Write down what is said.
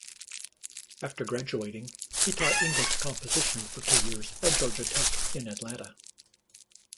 After graduating, he taught English composition for two years at Georgia Tech in Atlanta.